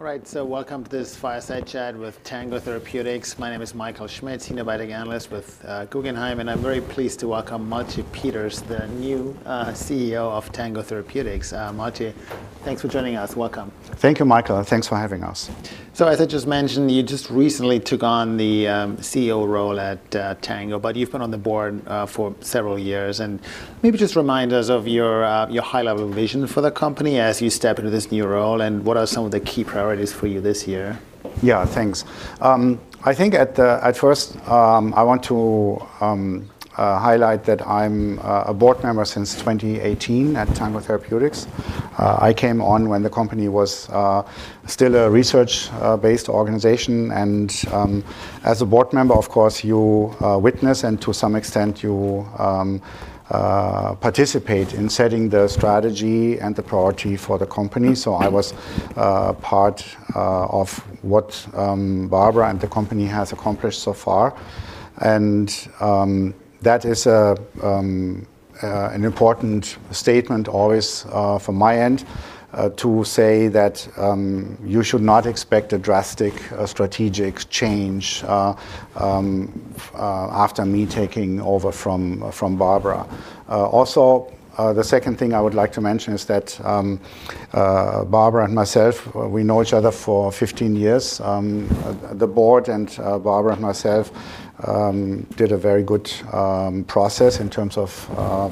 All right, so welcome to this fireside chat with Tango Therapeutics. My name is Michael Schmidt, senior biotech analyst with Guggenheim, and I'm very pleased to welcome Malte Peters, the new CEO of Tango Therapeutics. Malte, thanks for joining us. Welcome. Thank you, Michael, and thanks for having us. So as I just mentioned, you just recently took on the CEO role at Tango, but you've been on the board for several years. Maybe just remind us of your high-level vision for the company as you step into this new role, and what are some of the key priorities for you this year? Yeah, thanks. I think at first, I want to highlight that I'm a board member since 2018 at Tango Therapeutics. I came on when the company was still a research based organization, and as a board member, of course, you witness, and to some extent, you participate in setting the strategy and the priority for the company. So I was part of what Barbara and the company has accomplished so far. And that is an important statement, always, from my end, to say that you should not expect a drastic strategic change after me taking over from Barbara. Also, the second thing I would like to mention is that Barbara and myself, we know each other for 15 years. The board and Barbara and myself did a very good process in terms of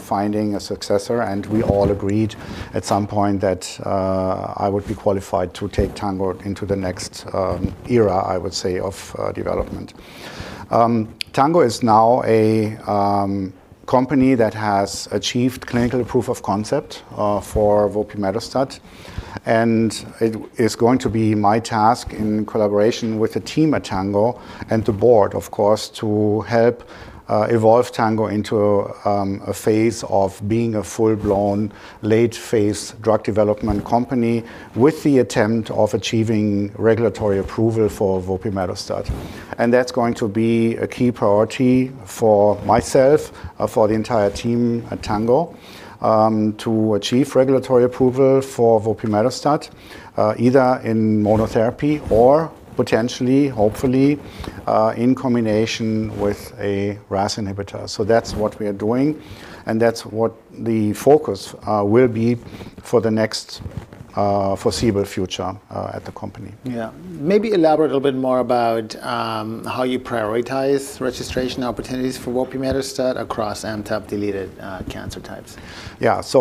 finding a successor, and we all agreed at some point that I would be qualified to take Tango into the next era, I would say, of development. Tango is now a company that has achieved clinical proof of concept for vopimetostat, and it is going to be my task in collaboration with the team at Tango and the board, of course, to help evolve Tango into a phase of being a full-blown, late-phase drug development company with the attempt of achieving regulatory approval for vopimetostat. And that's going to be a key priority for myself, for the entire team at Tango, to achieve regulatory approval for vopimetostat, either in monotherapy or potentially, hopefully, in combination with a RAS inhibitor. So that's what we are doing, and that's what the focus will be for the next foreseeable future at the company. Yeah. Maybe elaborate a little bit more about how you prioritize registration opportunities for vopimetostat across MTAP-deleted cancer types? Yeah. So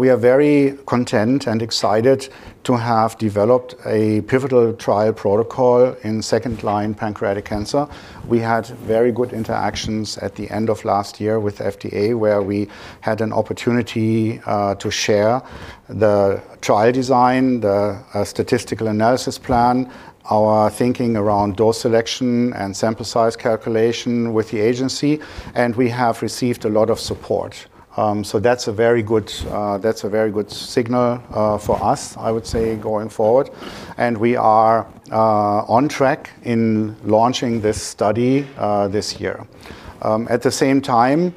we are very content and excited to have developed a pivotal trial protocol in second-line pancreatic cancer. We had very good interactions at the end of last year with FDA, where we had an opportunity to share the trial design, the statistical analysis plan, our thinking around dose selection and sample size calculation with the agency, and we have received a lot of support. So that's a very good signal for us, I would say, going forward, and we are on track in launching this study this year. At the same time,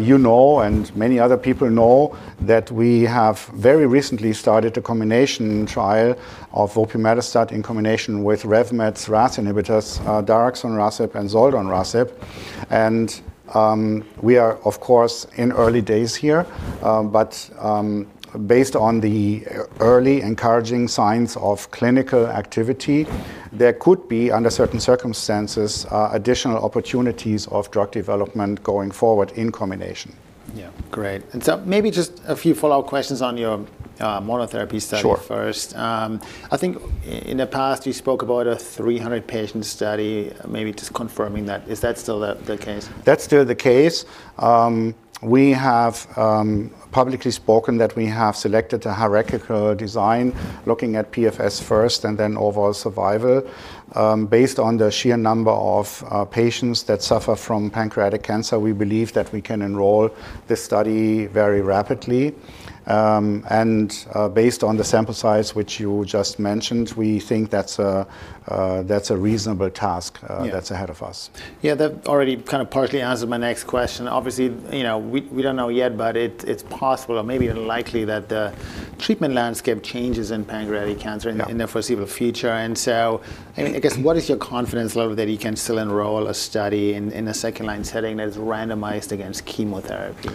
you know, and many other people know, that we have very recently started a combination trial of vopimetostat in combination with RevMed's RAS inhibitors, daraxonrasib and zoldonrasib. We are, of course, in early days here, but based on the early encouraging signs of clinical activity, there could be, under certain circumstances, additional opportunities of drug development going forward in combination. Yeah. Great. And so maybe just a few follow-up questions on your monotherapy study- Sure... first. I think in the past, you spoke about a 300 patient study, maybe just confirming that. Is that still the case? That's still the case. We have publicly spoken that we have selected a hierarchical design, looking at PFS first and then overall survival. Based on the sheer number of patients that suffer from pancreatic cancer, we believe that we can enroll this study very rapidly. Based on the sample size, which you just mentioned, we think that's a reasonable task- Yeah... that's ahead of us. Yeah, that already kinda partly answers my next question. Obviously, you know, we, we don't know yet, but it, it's possible or maybe unlikely that the treatment landscape changes in pancreatic cancer- Yeah... in the foreseeable future. And so I, I guess, what is your confidence level that you can still enroll a study in, in a second-line setting that is randomized against chemotherapy?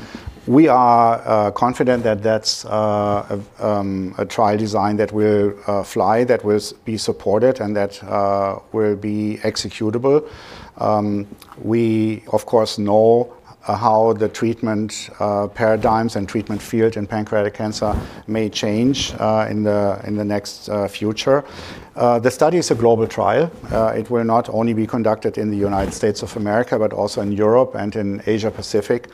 We are confident that that's a trial design that will fly, that will be supported and that will be executable. We, of course, know how the treatment paradigms and treatment field in pancreatic cancer may change in the next future. The study is a global trial. It will not only be conducted in the United States of America, but also in Europe and in Asia-Pacific.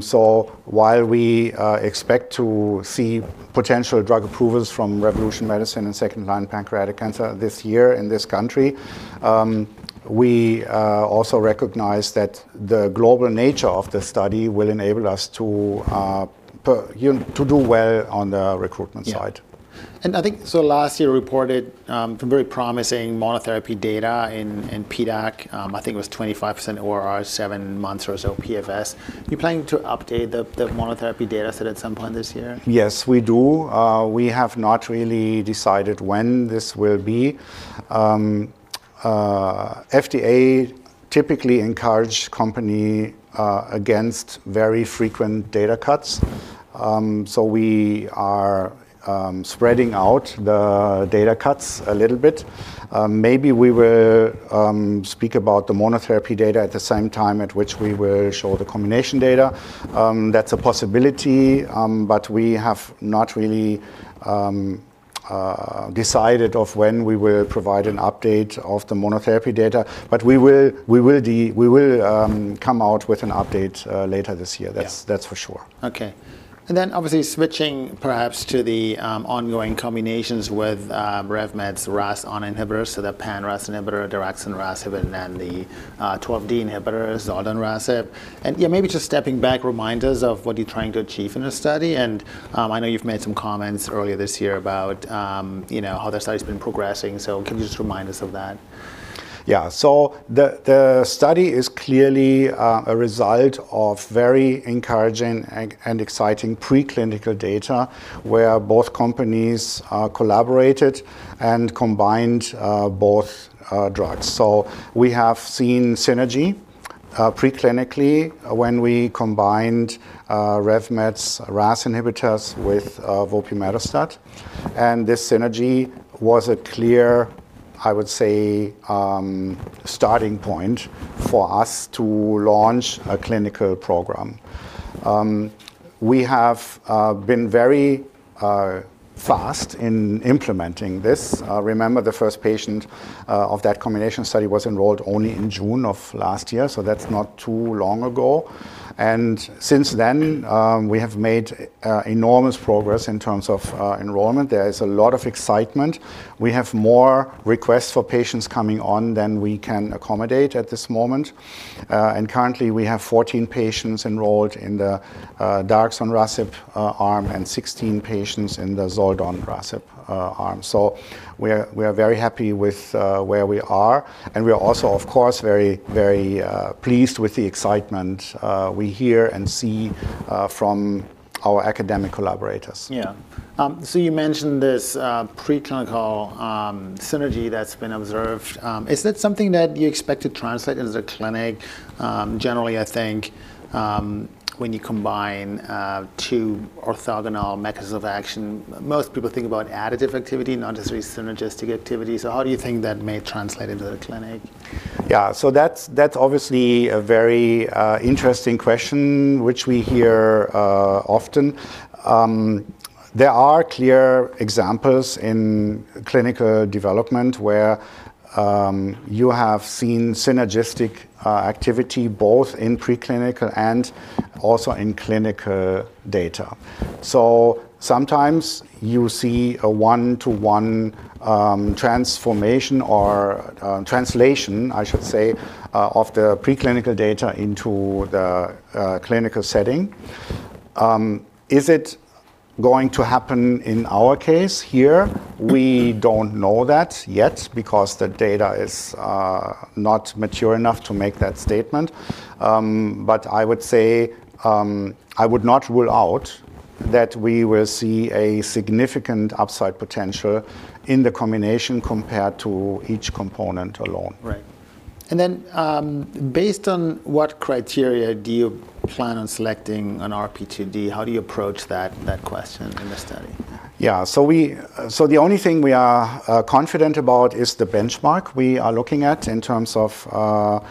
So while we expect to see potential drug approvals from Revolution Medicines in second-line pancreatic cancer this year in this country, we also recognize that the global nature of the study will enable us to, you know, to do well on the recruitment side. Yeah. I think Tango last year reported some very promising monotherapy data in PDAC. I think it was 25% ORR, 7 months or so PFS. You planning to update the monotherapy data set at some point this year? Yes, we do. We have not really decided when this will be. FDA typically encourage company against very frequent data cuts. So we are spreading out the data cuts a little bit. Maybe we will speak about the monotherapy data at the same time at which we will show the combination data. That's a possibility, but we have not really decided of when we will provide an update of the monotherapy data, but we will come out with an update later this year. Yeah. That's for sure. Okay. And then, obviously, switching perhaps to the ongoing combinations with RevMed's RAS(ON) inhibitors, so the pan-RAS inhibitor, daraxonrasib, and then the 12D inhibitors, zoldonrasib. And, yeah, maybe just stepping back, remind us of what you're trying to achieve in this study. And I know you've made some comments earlier this year about, you know, how the study's been progressing. So can you just remind us of that? Yeah. So the study is clearly a result of very encouraging and exciting preclinical data, where both companies collaborated and combined both drugs. So we have seen synergy preclinically when we combined RevMed's RAS inhibitors with vopimetostat. And this synergy was a clear, I would say, starting point for us to launch a clinical program. We have been very fast in implementing this. Remember, the first patient of that combination study was enrolled only in June of last year, so that's not too long ago. And since then, we have made enormous progress in terms of enrollment. There is a lot of excitement. We have more requests for patients coming on than we can accommodate at this moment. And currently, we have 14 patients enrolled in the daraxonrasib arm, and 16 patients in the zoldonrasib arm. So we're, we are very happy with where we are, and we are also, of course, very, very pleased with the excitement we hear and see from our academic collaborators. Yeah. So you mentioned this preclinical synergy that's been observed. Is that something that you expect to translate into the clinic? Generally, I think, when you combine two orthogonal mechanisms of action, most people think about additive activity, not necessarily synergistic activity. So how do you think that may translate into the clinic? Yeah, so that's, that's obviously a very, interesting question, which we hear, often. There are clear examples in clinical development where, you have seen synergistic, activity, both in preclinical and also in clinical data. So sometimes you see a one-to-one, transformation or, translation, I should say, of the preclinical data into the, clinical setting. Is it going to happen in our case here? We don't know that yet because the data is, not mature enough to make that statement. But I would say, I would not rule out that we will see a significant upside potential in the combination compared to each component alone. Right. And then, based on what criteria do you plan on selecting an RP2D? How do you approach that question in the study? Yeah. So the only thing we are confident about is the benchmark we are looking at in terms of RAS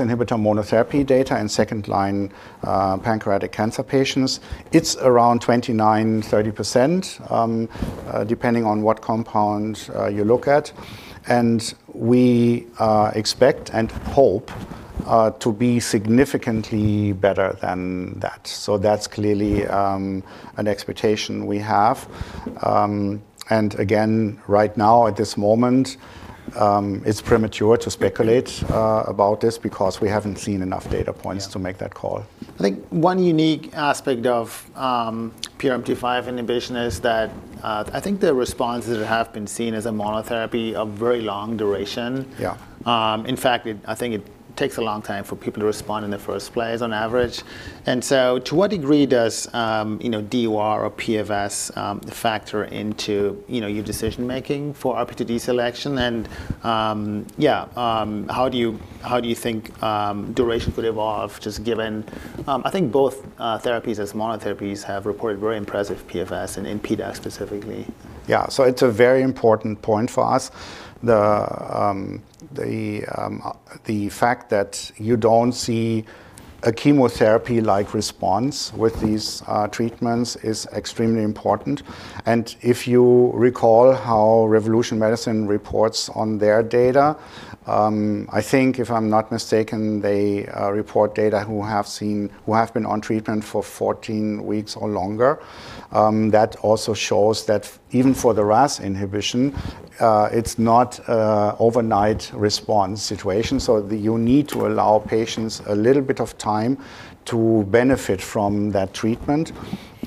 inhibitor monotherapy data in second-line pancreatic cancer patients. It's around 29%-30%, depending on what compound you look at. And we expect and hope to be significantly better than that. So that's clearly an expectation we have. And again, right now, at this moment, it's premature to speculate about this because we haven't seen enough data points- Yeah... to make that call. I think one unique aspect of PRMT5 inhibition is that I think the responses that have been seen as a monotherapy are very long duration. Yeah. In fact, I think it takes a long time for people to respond in the first place, on average. So to what degree does, you know, DOR or PFS factor into, you know, your decision-making for RP2D selection? And yeah, how do you think duration could evolve, just given... I think both therapies as monotherapies have reported very impressive PFS and PDAC specifically. Yeah. So it's a very important point for us. The fact that you don't see a chemotherapy-like response with these treatments is extremely important. And if you recall how Revolution Medicines reports on their data, I think, if I'm not mistaken, they report data who have been on treatment for 14 weeks or longer. That also shows that even for the RAS inhibition, it's not an overnight response situation, so you need to allow patients a little bit of time to benefit from that treatment.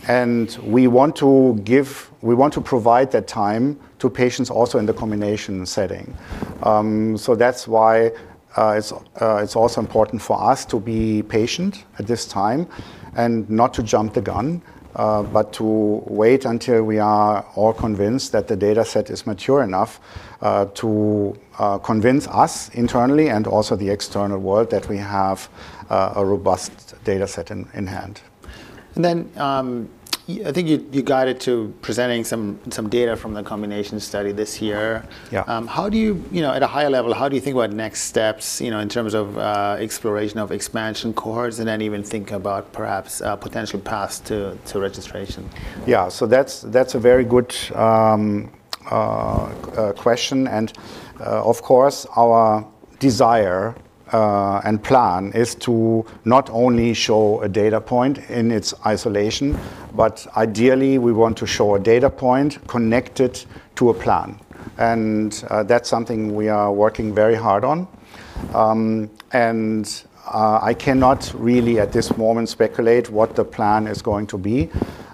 And we want to provide that time to patients also in the combination setting. So that's why it's also important for us to be patient at this time and not to jump the gun, but to wait until we are all convinced that the data set is mature enough to convince us internally and also the external world that we have a robust data set in hand. ... And then, I think you got it to presenting some data from the combination study this year. Yeah. How do you, you know, at a high level, how do you think about next steps, you know, in terms of exploration of expansion cohorts, and then even think about perhaps potential paths to registration? Yeah. So that's a very good question, and, of course, our desire and plan is to not only show a data point in its isolation, but ideally, we want to show a data point connected to a plan. That's something we are working very hard on. I cannot really, at this moment, speculate what the plan is going to be.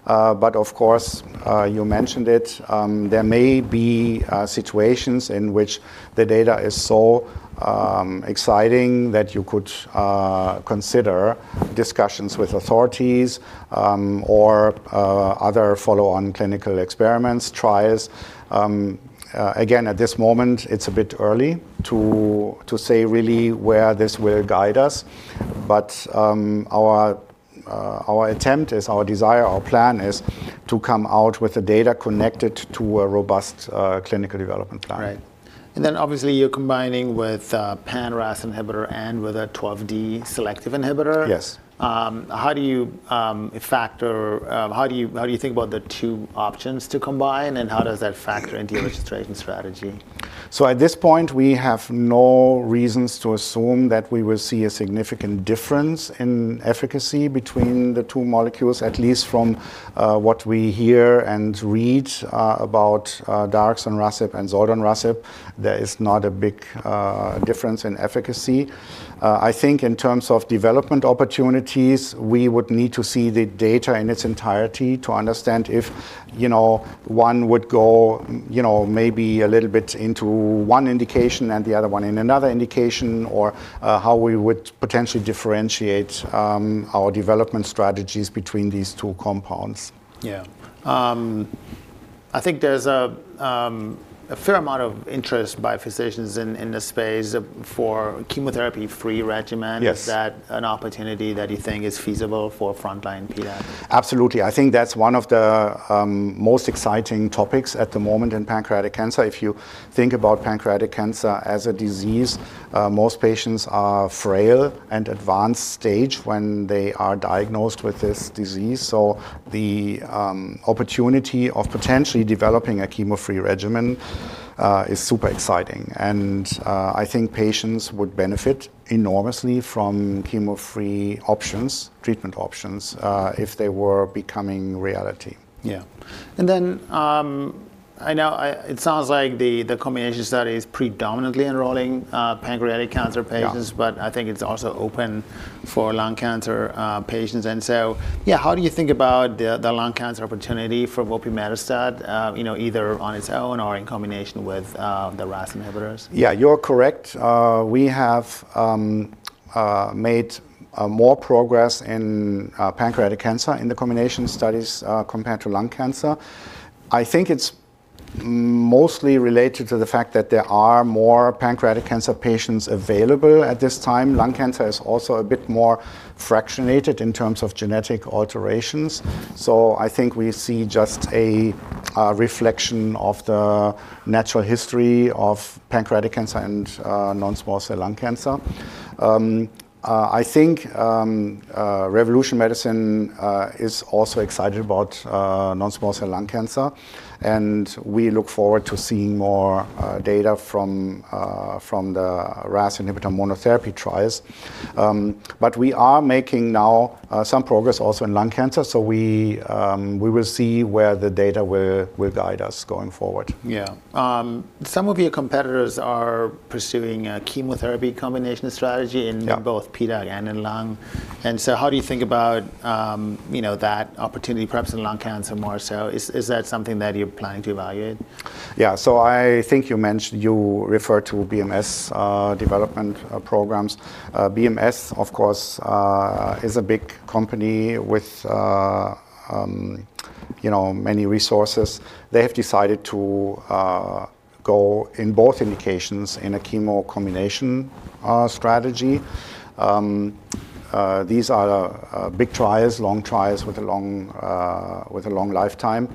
But of course, you mentioned it, there may be situations in which the data is so exciting that you could consider discussions with authorities, or other follow-on clinical experiments, trials. Again, at this moment, it's a bit early to say really where this will guide us, but our attempt is... Our desire, our plan is to come out with the data connected to a robust clinical development plan. Right. And then obviously, you're combining with a pan-RAS inhibitor and with a 12D-selective inhibitor. Yes. How do you think about the two options to combine, and how does that factor into your registration strategy? So at this point, we have no reasons to assume that we will see a significant difference in efficacy between the two molecules, at least from what we hear and read about daraxonrasib and zoldonrasib. There is not a big difference in efficacy. I think in terms of development opportunities, we would need to see the data in its entirety to understand if, you know, one would go, you know, maybe a little bit into one indication and the other one in another indication, or how we would potentially differentiate our development strategies between these two compounds. Yeah. I think there's a fair amount of interest by physicians in this space for chemotherapy-free regimen. Yes. Is that an opportunity that you think is feasible for frontline PDAC? Absolutely. I think that's one of the most exciting topics at the moment in pancreatic cancer. If you think about pancreatic cancer as a disease, most patients are frail and advanced stage when they are diagnosed with this disease. So the opportunity of potentially developing a chemo-free regimen is super exciting, and I think patients would benefit enormously from chemo-free options, treatment options, if they were becoming reality. Yeah. And then, I know, it sounds like the combination study is predominantly enrolling pancreatic cancer patients- Yeah... but I think it's also open for lung cancer patients. And so, yeah, how do you think about the lung cancer opportunity for vopimetostat, you know, either on its own or in combination with the RAS inhibitors? Yeah, you're correct. We have made more progress in pancreatic cancer in the combination studies compared to lung cancer. I think it's mostly related to the fact that there are more pancreatic cancer patients available at this time. Lung cancer is also a bit more fractionated in terms of genetic alterations. So I think we see just a reflection of the natural history of pancreatic cancer and non-small cell lung cancer. I think Revolution Medicines is also excited about non-small cell lung cancer, and we look forward to seeing more data from the RAS inhibitor monotherapy trials. But we are making now some progress also in lung cancer, so we will see where the data will guide us going forward. Yeah. Some of your competitors are pursuing a chemotherapy combination strategy- Yeah... in both PDAC and in lung. And so how do you think about, you know, that opportunity, perhaps in lung cancer more so? Is that something that you're planning to evaluate? Yeah. So I think you mentioned—you referred to BMS development programs. BMS, of course, is a big company with, you know, many resources. They have decided to go in both indications in a chemo combination strategy. These are big trials, long trials with a long lifetime.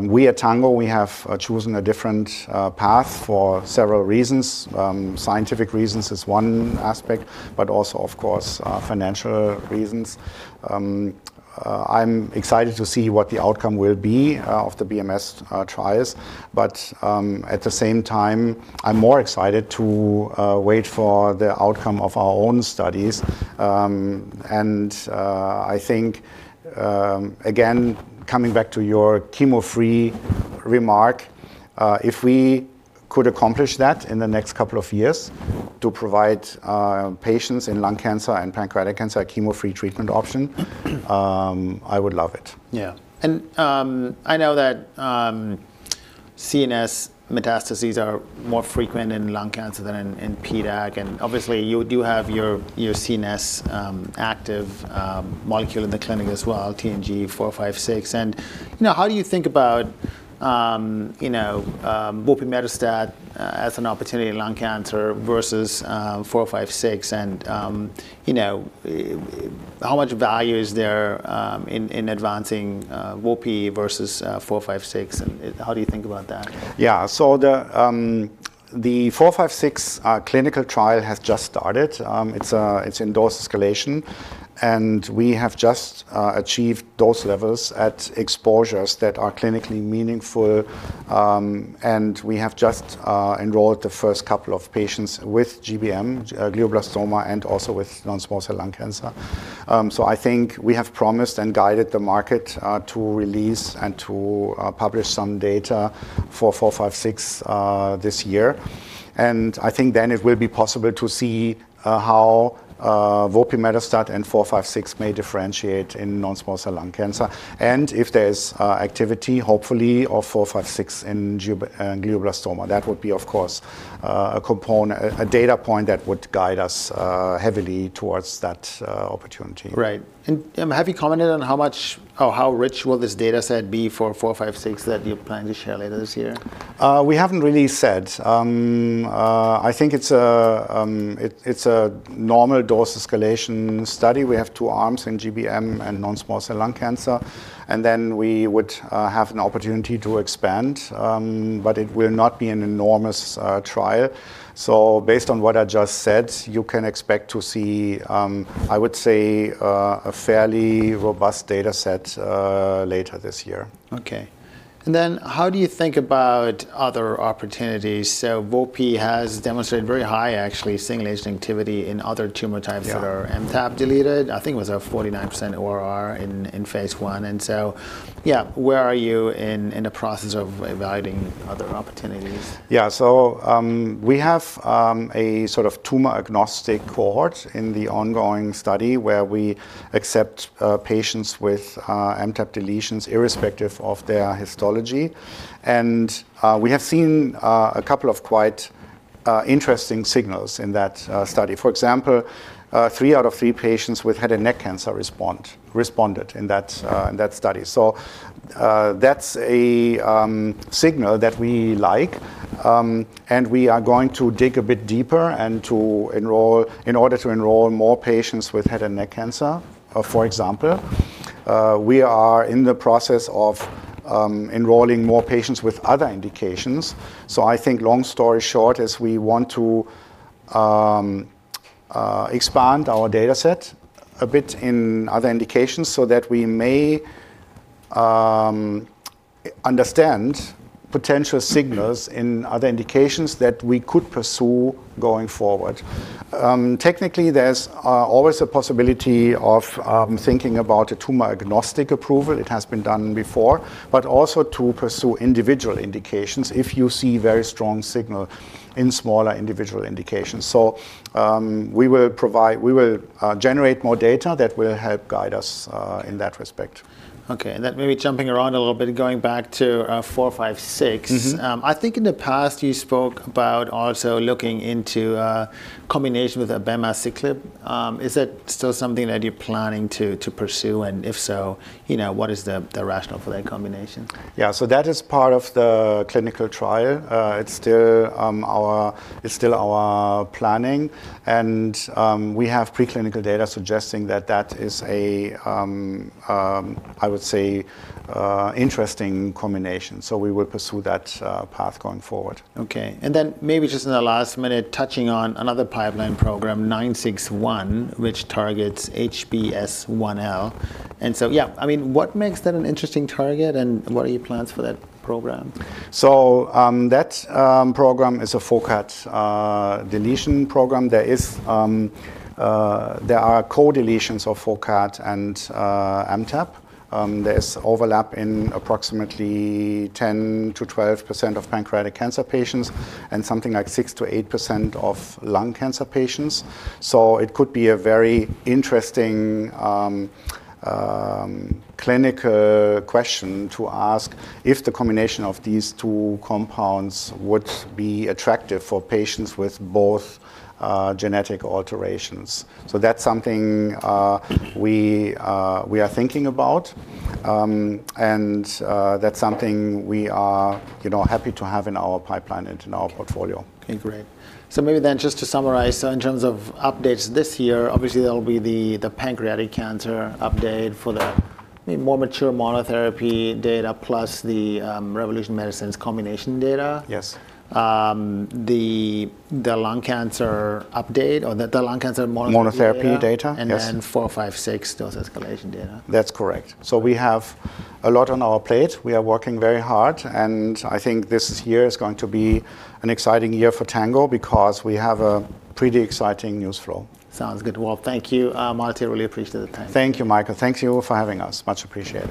We at Tango have chosen a different path for several reasons. Scientific reasons is one aspect, but also, of course, financial reasons. I'm excited to see what the outcome will be of the BMS trials, but at the same time, I'm more excited to wait for the outcome of our own studies. I think, again, coming back to your chemo-free remark, if we could accomplish that in the next couple of years to provide patients in lung cancer and pancreatic cancer a chemo-free treatment option, I would love it. Yeah. And, I know that, CNS metastases are more frequent in lung cancer than in, in PDAC. And obviously, you do have your, your CNS, active, molecule in the clinic as well, TNG456. And, you know, how do you think about, you know, vopimetostat, as an opportunity in lung cancer versus, 456, and, you know, how much value is there, in, in advancing, vopi versus, 456, and how do you think about that? Yeah. So the 456 clinical trial has just started. It's in dose escalation, and we have just achieved dose levels at exposures that are clinically meaningful. And we have just enrolled the first couple of patients with GBM, glioblastoma, and also with non-small cell lung cancer. So I think we have promised and guided the market to release and to publish some data for 456 this year. And I think then it will be possible to see how vopimetostat and 456 may differentiate in non-small cell lung cancer, and if there's activity, hopefully, of 456 in glioblastoma. That would be, of course, a component, a data point that would guide us heavily towards that opportunity. Right. And have you commented on how much or how rich will this data set be for 456 that you're planning to share later this year? We haven't really said. I think it's a normal dose-escalation study. We have two arms in GBM and non-small cell lung cancer, and then we would have an opportunity to expand. But it will not be an enormous trial. So based on what I just said, you can expect to see, I would say, a fairly robust data set later this year. Okay. And then how do you think about other opportunities? So Vopi has demonstrated very high, actually, single-agent activity in other tumor types- Yeah... that are MTAP deleted. I think it was a 49% ORR in Phase I. And so, yeah, where are you in the process of evaluating other opportunities? Yeah. So, we have a sort of tumor-agnostic cohort in the ongoing study, where we accept patients with MTAP deletions, irrespective of their histology. And, we have seen a couple of quite interesting signals in that study. For example, three out of three patients with head and neck cancer responded in that study. So, that's a signal that we like, and we are going to dig a bit deeper and to enroll in order to enroll more patients with head and neck cancer, for example. We are in the process of enrolling more patients with other indications. So I think long story short, is we want to expand our data set a bit in other indications so that we may understand potential signals in other indications that we could pursue going forward. Technically, there's always a possibility of thinking about a tumor-agnostic approval. It has been done before. But also to pursue individual indications, if you see a very strong signal in smaller individual indications. So we will generate more data that will help guide us in that respect. Okay, and then maybe jumping around a little bit and going back to 456. Mm-hmm. I think in the past, you spoke about also looking into a combination with abemaciclib. Is that still something that you're planning to pursue? And if so, you know, what is the rationale for that combination? Yeah. So that is part of the clinical trial. It's still our planning, and we have preclinical data suggesting that that is a, I would say, interesting combination. So we will pursue that path going forward. Okay. And then maybe just in the last minute, touching on another pipeline program, TNG961, which targets HBS1L. And so, yeah, I mean, what makes that an interesting target, and what are your plans for that program? So, that program is a FOCAD deletion program. There are co-deletions of FOCAD and MTAP. There is overlap in approximately 10%-12% of pancreatic cancer patients and something like 6%-8% of lung cancer patients. So it could be a very interesting clinical question to ask if the combination of these two compounds would be attractive for patients with both genetic alterations. So that's something we are thinking about. And that's something we are, you know, happy to have in our pipeline and in our portfolio. Okay, great. So maybe then, just to summarize, so in terms of updates this year, obviously, there will be the pancreatic cancer update for the more mature monotherapy data, plus the Revolution Medicines combination data. Yes. The lung cancer update or the lung cancer monotherapy data- Monotherapy data, yes. And then TNG456 dose escalation data. That's correct. We have a lot on our plate. We are working very hard, and I think this year is going to be an exciting year for Tango because we have a pretty exciting news flow. Sounds good. Well, thank you, Malte. I really appreciate the time. Thank you, Michael. Thank you for having us. Much appreciated.